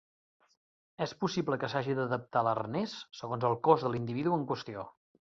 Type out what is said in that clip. És possible que s'hagi d'adaptar l'arnès segons el cos de l'individu en qüestió.